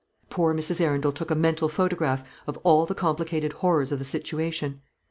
Poor Mrs. Arundel took a mental photograph of all the complicated horrors of the situation.